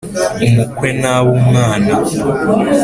Umukwe ntaba umwana.